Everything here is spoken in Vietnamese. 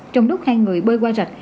trong lúc hai người bơi qua rạch